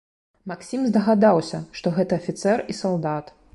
Максім здагадаўся, што гэта афіцэр і салдат.